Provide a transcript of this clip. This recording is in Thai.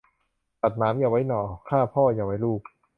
ตัดหนามอย่าไว้หน่อ ฆ่าพ่ออย่าไว้ลูก